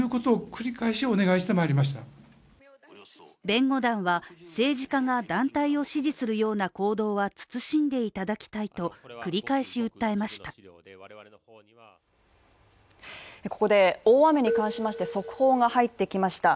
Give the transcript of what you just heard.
弁護団は、政治家が団体を支持するような行動は慎んでいただきたいと繰り返し訴えました。